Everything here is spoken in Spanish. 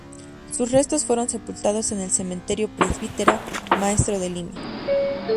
Sus restos fueron sepultados en el Cementerio Presbítero Maestro de Lima.